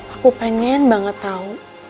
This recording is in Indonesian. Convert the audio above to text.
aku pengen banget tahu